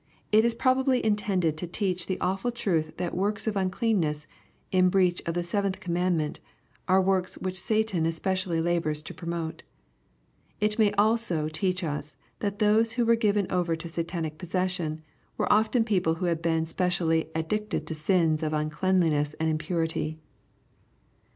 It is probably intended to teach the awful truth that works of undeanness, in breach of the seventh commandment) are works which Satan especially labors to pro* mote. It may also teach us that those who were given over te Satanic possession, were often people who had been specially ad dicted to sins of uncleanness and impurity.